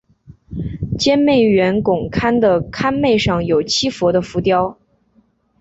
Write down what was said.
尖楣圆拱龛的龛楣上有七佛的浮雕。